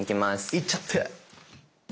いっちゃって！